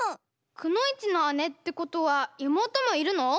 「くのいちの姉」ってことはいもうともいるの？